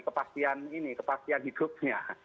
kepastian ini kepastian hidupnya